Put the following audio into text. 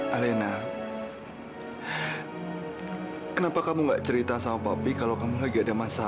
alena kenapa kamu nggak cerita sama papi kalau kamu lagi ada masalah